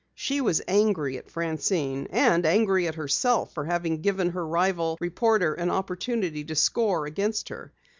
She was angry at Francine and angry at herself for having given the rival reporter an opportunity to score against her.